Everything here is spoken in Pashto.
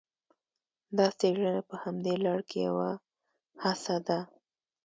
دا څېړنه په همدې لړ کې یوه هڅه ده